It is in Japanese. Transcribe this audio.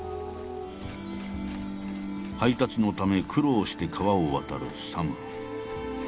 配達のため苦労して川を渡るサム。